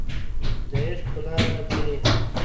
د عشق په لاره ځي